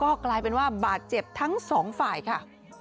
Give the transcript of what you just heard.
ก็กลายเป็นว่าบาดเจ็บทั้งสองฝ่ายค่ะ